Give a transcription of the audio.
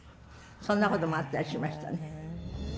そんなこともあったりしましたね。